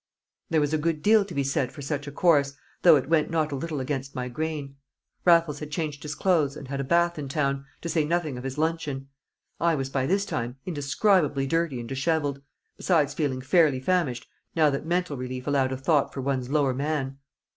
There was a good deal to be said for such a course, though it went not a little against my grain. Raffles had changed his clothes and had a bath in town, to say nothing of his luncheon. I was by this time indescribably dirty and dishevelled, besides feeling fairly famished now that mental relief allowed a thought for one's lower man.